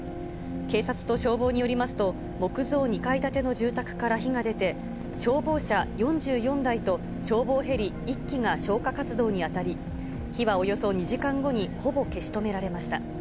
警察と消防によりますと、木造２階建ての住宅から火が出て、消防車４４台と消防ヘリ１機が消火活動に当たり、火はおよそ２時間後にほぼ消し止められました。